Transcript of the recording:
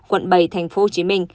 quận bảy tp hcm